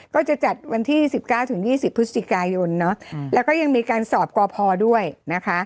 ก็จะจัดวันที่สิบเก้าถึงยี่สิบพฤศจิกายนเนอะอืมแล้วก็ยังมีการสอบกว่าพอด้วยนะคะ